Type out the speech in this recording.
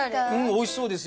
おいしそうですよ。